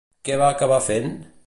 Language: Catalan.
Què va acabar fent?